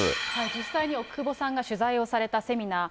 実際に奥窪さんが取材をされたセミナー。